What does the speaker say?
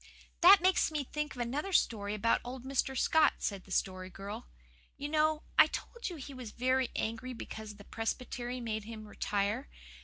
"That makes me think of another story about old Mr. Scott," said the Story Girl. "You know, I told you he was very angry because the Presbytery made him retire.